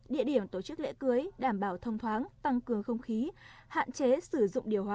địa điểm tổ chức lễ cưới đảm bảo thông thoáng tăng cường không khí hạn chế sử dụng điều hóa